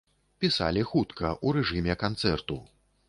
Пісалі хутка, у рэжыме канцэрту.